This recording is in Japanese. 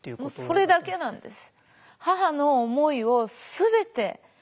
もうそれだけなんです。